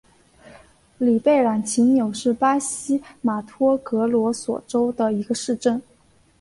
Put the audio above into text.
里贝朗齐纽是巴西马托格罗索州的一个市镇。